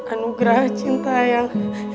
anugerah cinta yang